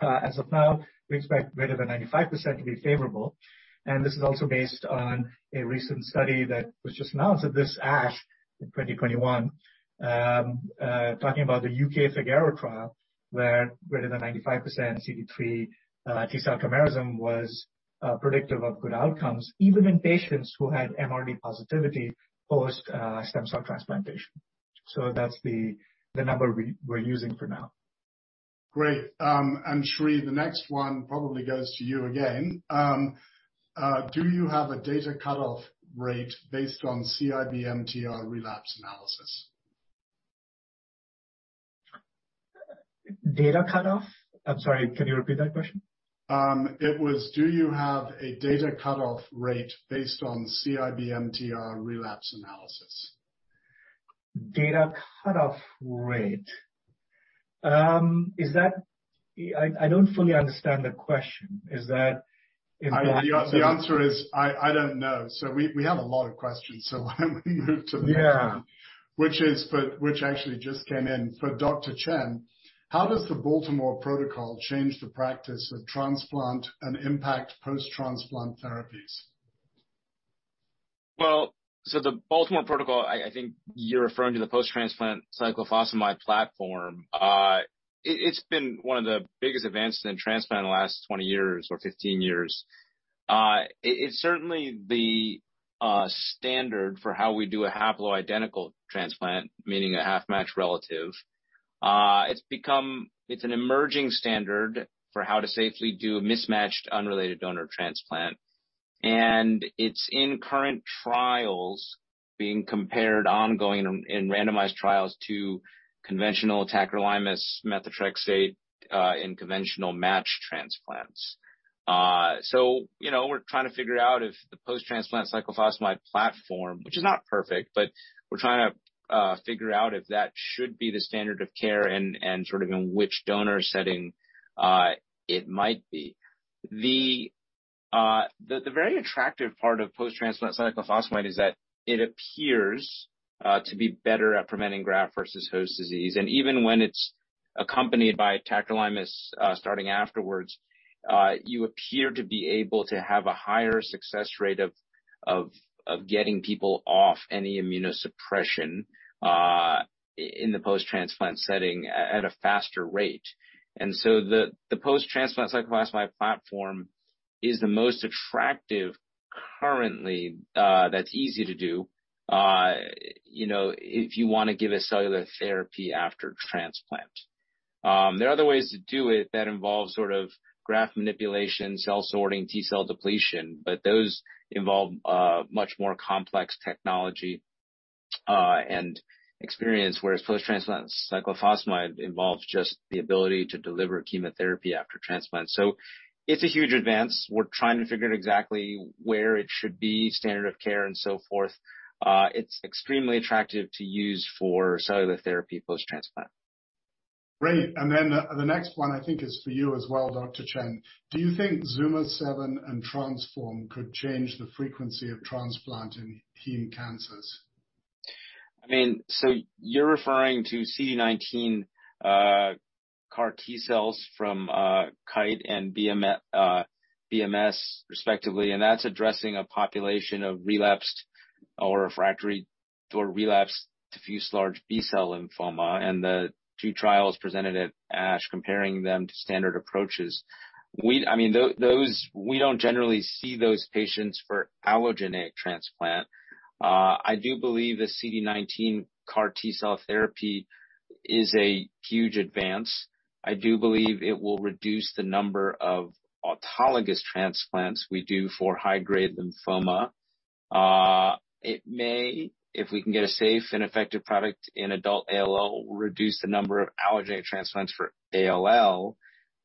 As of now, we expect greater than 95% to be favorable. This is also based on a recent study that was just announced at this ASH in 2021, talking about the UK FIGARO trial, where greater than 95% CD3 T cell chimerism was predictive of good outcomes, even in patients who had MRD positivity post stem cell transplantation. That's the number we're using for now. Great. Sri, the next one probably goes to you again. Do you have a data cutoff rate based on CIBMTR relapse analysis? Data cutoff? I'm sorry, can you repeat that question? Do you have a data cutoff rate based on CIBMTR relapse analysis? Data cutoff date. I don't fully understand the question. Is that in- The answer is I don't know. We have a lot of questions, so why don't we move to the next one. Yeah. For Dr. Chen, how does the Baltimore protocol change the practice of transplant and impact post-transplant therapies? Well, the Baltimore protocol, I think you're referring to the post-transplant cyclophosphamide platform. It's been one of the biggest advances in transplant in the last 20 years or 15 years. It's certainly the standard for how we do a haploidentical transplant, meaning a half-matched relative. It's become an emerging standard for how to safely do mismatched unrelated donor transplant. It's in current trials being compared ongoing in randomized trials to conventional tacrolimus/methotrexate in conventional matched transplants. You know, we're trying to figure out if the post-transplant cyclophosphamide platform, which is not perfect, but we're trying to figure out if that should be the standard of care and sort of in which donor setting it might be. The very attractive part of post-transplant cyclophosphamide is that it appears to be better at preventing graft-versus-host disease. Even when it's accompanied by tacrolimus, starting afterwards, you appear to be able to have a higher success rate of getting people off any immunosuppression in the post-transplant setting at a faster rate. The post-transplant cyclophosphamide platform is the most attractive currently that's easy to do, you know, if you wanna give a cellular therapy after transplant. There are other ways to do it that involve sort of graft manipulation, cell sorting, T cell depletion, but those involve much more complex technology and experience, whereas post-transplant cyclophosphamide involves just the ability to deliver chemotherapy after transplant. It's a huge advance. We're trying to figure out exactly where it should be standard of care and so forth. It's extremely attractive to use for cellular therapy post-transplant. Great. The next one I think is for you as well, Dr. Chen. Do you think ZUMA-7 and TRANSFORM could change the frequency of transplant in heme cancers? I mean, you're referring to CD19 CAR T cells from Kite and BMS respectively, and that's addressing a population of relapsed diffuse large B-cell lymphoma and the two trials presented at ASH comparing them to standard approaches. I mean, those we don't generally see those patients for allogeneic transplant. I do believe the CD19 CAR T cell therapy is a huge advance. I do believe it will reduce the number of autologous transplants we do for high-grade lymphoma. It may, if we can get a safe and effective product in adult ALL, reduce the number of allogeneic transplants for ALL.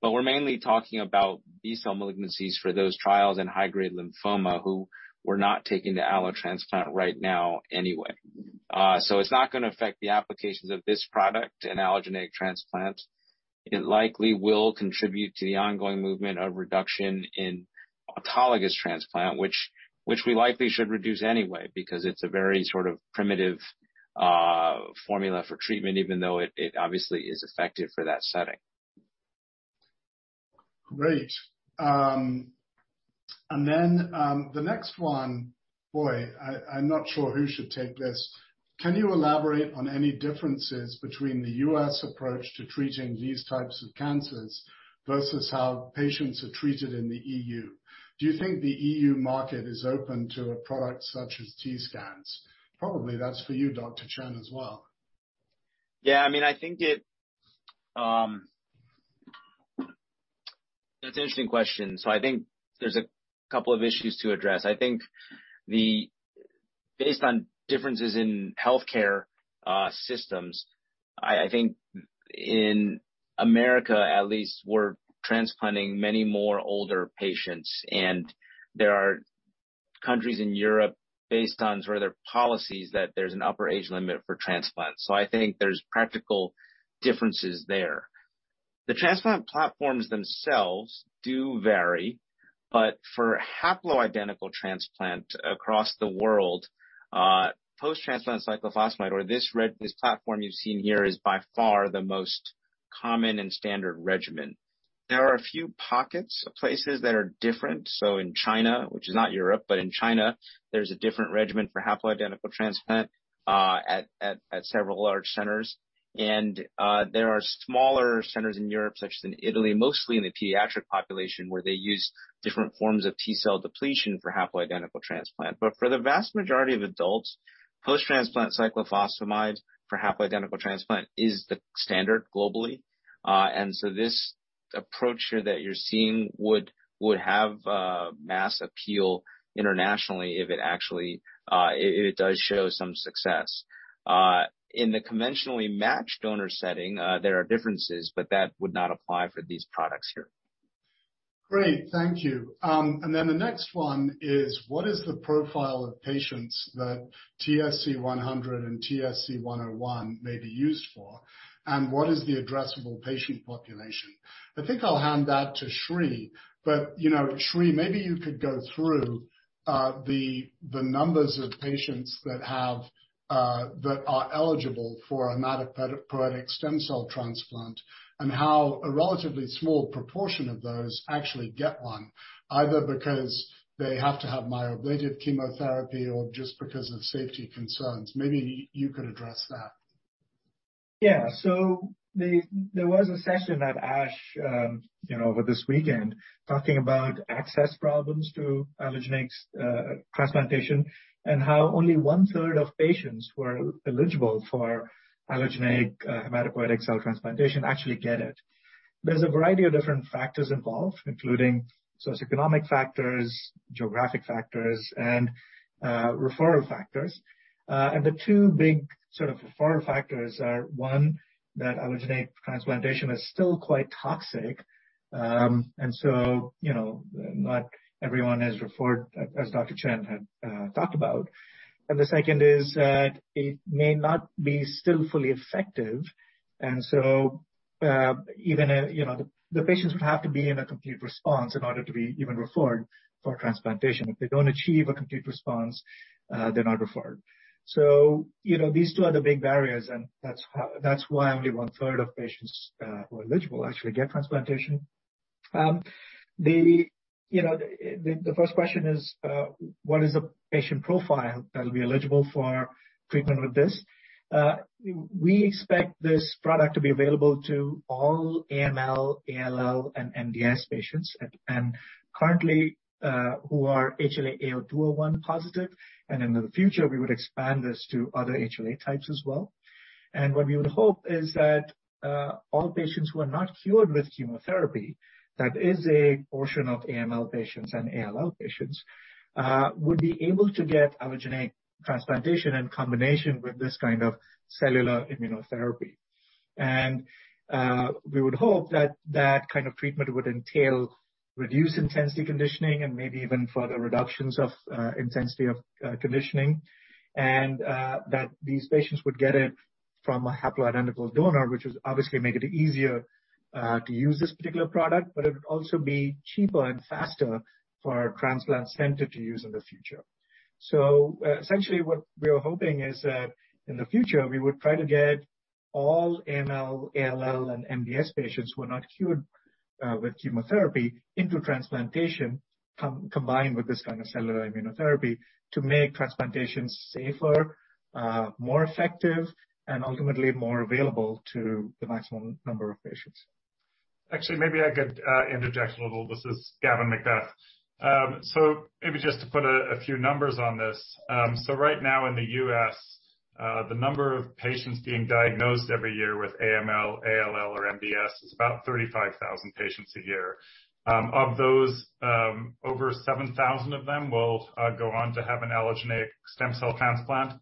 We're mainly talking about B-cell malignancies for those trials in high-grade lymphoma who were not taking the allo transplant right now anyway. It's not gonna affect the applications of this product in allogeneic transplant. It likely will contribute to the ongoing movement of reduction in autologous transplant, which we likely should reduce anyway because it's a very sort of primitive formula for treatment, even though it obviously is effective for that setting. Great. The next one. Boy, I'm not sure who should take this. Can you elaborate on any differences between the U.S. approach to treating these types of cancers versus how patients are treated in the E.U.? Do you think the E.U. market is open to a product such as TScan's? Probably that's for you, Dr. Chen, as well. Yeah. I mean, I think it. That's an interesting question. I think there's a couple of issues to address. Based on differences in healthcare systems, I think in America at least, we're transplanting many more older patients, and there are countries in Europe, based on sort of their policies, that there's an upper age limit for transplant. I think there's practical differences there. The transplant platforms themselves do vary, but for haploidentical transplant across the world, post-transplant cyclophosphamide or this platform you've seen here is by far the most common and standard regimen. There are a few pockets of places that are different. In China, which is not Europe, but in China, there's a different regimen for haploidentical transplant, at several large centers. There are smaller centers in Europe, such as in Italy, mostly in the pediatric population, where they use different forms of T cell depletion for haploidentical transplant. But for the vast majority of adults, post-transplant cyclophosphamide for haploidentical transplant is the standard globally. This approach here that you're seeing would have mass appeal internationally if it actually does show some success. In the conventionally matched donor setting, there are differences, but that would not apply for these products here. Great. Thank you. The next one is, what is the profile of patients that TSC-100 and TSC-101 may be used for, and what is the addressable patient population? I think I'll hand that to Sri. You know, Sri, maybe you could go through the numbers of patients that are eligible for a hematopoietic stem cell transplant and how a relatively small proportion of those actually get one, either because they have to have myeloablative chemotherapy or just because of safety concerns. Maybe you could address that. Yeah. There was a session at ASH, you know, over this weekend talking about access problems to allogeneic transplantation and how only one-third of patients who are eligible for allogeneic hematopoietic cell transplantation actually get it. There's a variety of different factors involved, including socioeconomic factors, geographic factors, and referral factors. The two big sort of referral factors are, one, that allogeneic transplantation is still quite toxic, and so, you know, not everyone is referred, as Dr. Chen had talked about. The second is that it may not be still fully effective, and so even, you know, the patients would have to be in a complete response in order to be even referred for transplantation. If they don't achieve a complete response, they're not referred. You know, these two are the big barriers, and that's why only one-third of patients who are eligible actually get transplantation. You know, the first question is, what is the patient profile that'll be eligible for treatment with this? We expect this product to be available to all AML, ALL, and MDS patients and currently who are HLA-A*02:01 positive, and in the future, we would expand this to other HLA types as well. What we would hope is that all patients who are not cured with chemotherapy, that is a portion of AML patients and ALL patients, would be able to get allogeneic transplantation in combination with this kind of cellular immunotherapy. We would hope that that kind of treatment would entail reduced-intensity conditioning and maybe even further reductions of intensity of conditioning and that these patients would get it from a haploidentical donor, which would obviously make it easier to use this particular product, but it would also be cheaper and faster for a transplant center to use in the future. Essentially what we are hoping is that in the future we would try to get- All AML, ALL, and MDS patients who are not cured with chemotherapy into transplantation combined with this kind of cellular immunotherapy to make transplantation safer, more effective, and ultimately more available to the maximum number of patients. Actually, maybe I could interject a little. This is Gavin MacBeath. So maybe just to put a few numbers on this. Right now in the U.S., the number of patients being diagnosed every year with AML, ALL, or MDS is about 35,000 patients a year. Of those, over 7,000 of them will go on to have an allogeneic stem cell transplant.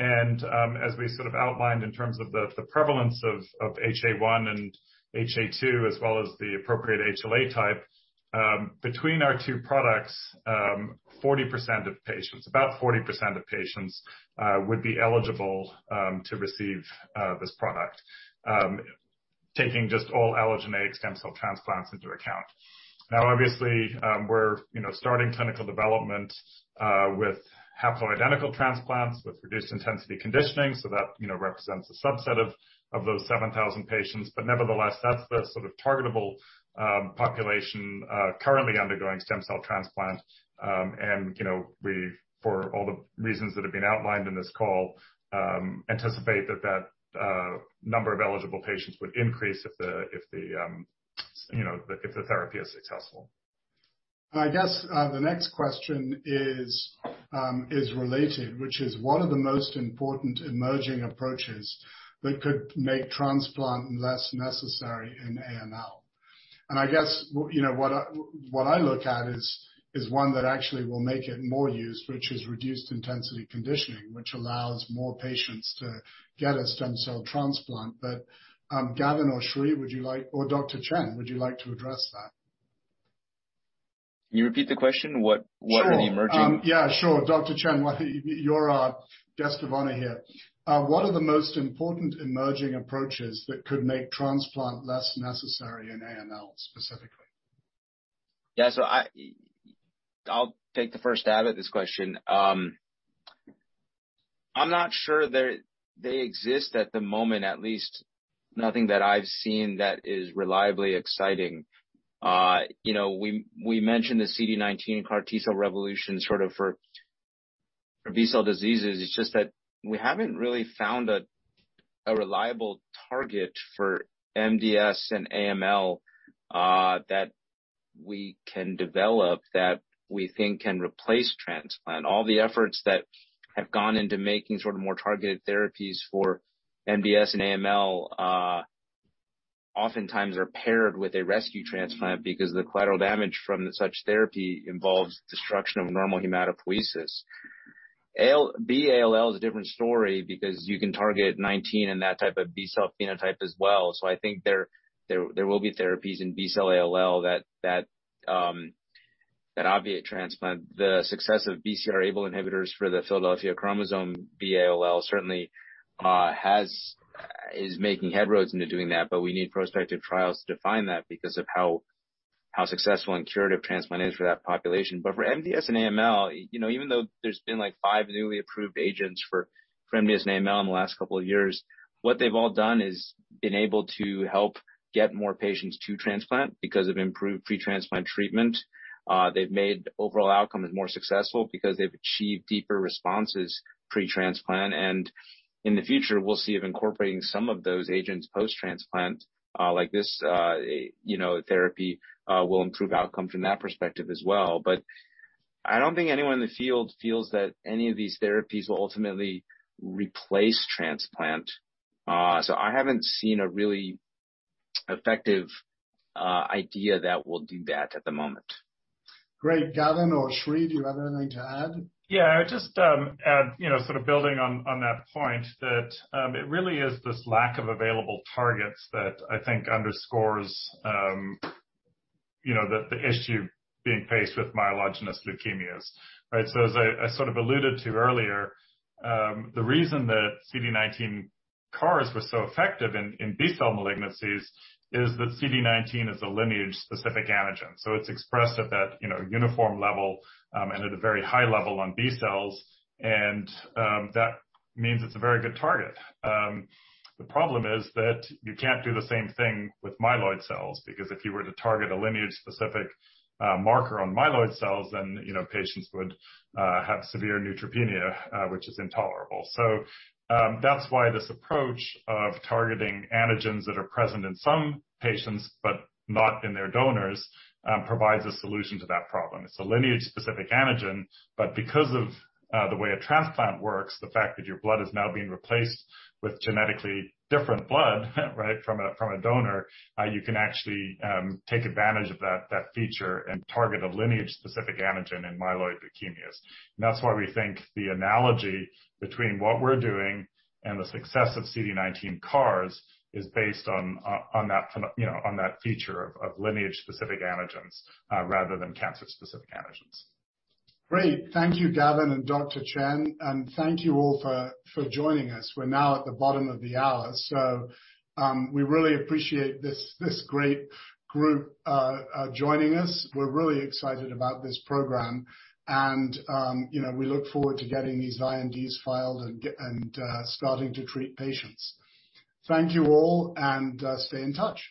As we sort of outlined in terms of the prevalence of HA-1 and HA-2, as well as the appropriate HLA type, between our two products, 40% of patients, about 40% of patients, would be eligible to receive this product, taking just all allogeneic stem cell transplants into account. Now, obviously, we're, you know, starting clinical development with haploidentical transplants with reduced intensity conditioning, so that, you know, represents a subset of those 7,000 patients. Nevertheless, that's the sort of targetable population currently undergoing stem cell transplant. You know, for all the reasons that have been outlined in this call, we anticipate that number of eligible patients would increase if the, you know, therapy is successful. I guess the next question is related, which is one of the most important emerging approaches that could make transplant less necessary in AML. I guess you know what I look at is one that actually will make it more used, which is reduced intensity conditioning, which allows more patients to get a stem cell transplant. But Gavin or Sri, would you like or Dr. Chen, would you like to address that? Can you repeat the question? What are the emerging- Sure. Yeah, sure. Dr. Chen, you're our guest of honor here. What are the most important emerging approaches that could make transplant less necessary in AML, specifically? I'll take the first stab at this question. I'm not sure they exist at the moment, at least nothing that I've seen that is reliably exciting. You know, we mentioned the CD19 CAR T cell revolution sort of for B-cell diseases. It's just that we haven't really found a reliable target for MDS and AML that we can develop that we think can replace transplant. All the efforts that have gone into making sort of more targeted therapies for MDS and AML oftentimes are paired with a rescue transplant because the collateral damage from such therapy involves destruction of normal hematopoiesis. B-ALL is a different story because you can target 19 in that type of B-cell phenotype as well. I think there will be therapies in B-ALL that obviate transplant. The success of BCR-ABL inhibitors for the Philadelphia chromosome B-ALL certainly is making headway into doing that, but we need prospective trials to define that because of how successful and curative transplant is for that population. For MDS and AML, you know, even though there's been, like, five newly approved agents for MDS and AML in the last couple of years, what they've all done is been able to help get more patients to transplant because of improved pre-transplant treatment. They've made overall outcomes more successful because they've achieved deeper responses pre-transplant. In the future, we'll see if incorporating some of those agents post-transplant, like this, you know, therapy, will improve outcome from that perspective as well. I don't think anyone in the field feels that any of these therapies will ultimately replace transplant. I haven't seen a really effective idea that will do that at the moment. Great. Gavin or Sri, do you have anything to add? Yeah. Just, sort of building on that point, that it really is this lack of available targets that I think underscores, you know, the issue being faced with myelogenous leukemias, right? As I sort of alluded to earlier, the reason that CD19 CARs were so effective in B-cell malignancies is that CD19 is a lineage-specific antigen. It's expressed at that, you know, uniform level, and at a very high level on B-cells, and that means it's a very good target. The problem is that you can't do the same thing with myeloid cells because if you were to target a lineage-specific marker on myeloid cells, then, you know, patients would have severe neutropenia, which is intolerable. That's why this approach of targeting antigens that are present in some patients, but not in their donors, provides a solution to that problem. It's a lineage-specific antigen, but because of the way a transplant works, the fact that your blood is now being replaced with genetically different blood, right, from a donor, you can actually take advantage of that feature and target a lineage-specific antigen in myeloid leukemias. That's why we think the analogy between what we're doing and the success of CD19 CARs is based on that you know, on that feature of lineage-specific antigens rather than cancer-specific antigens. Great. Thank you, Gavin and Dr. Chen, and thank you all for joining us. We're now at the bottom of the hour. We really appreciate this great group joining us. We're really excited about this program and, you know, we look forward to getting these INDs filed and starting to treat patients. Thank you all and stay in touch.